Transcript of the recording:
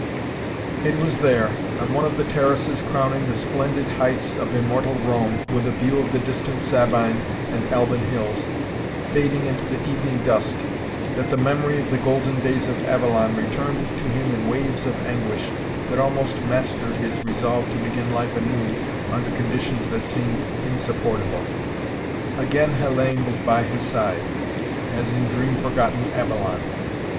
It was there, on one of the terraces crowning the splendid heights of immortal Rome, with a view of the distant Sabine and Alban hills, fading into the evening dusk, that the memory of the golden days of Avalon returned to him in waves of anguish that almost mastered his resolve to begin life anew under conditions that seemed insupportable. Again Hellayne was by his side, as in dream forgotten Avalon.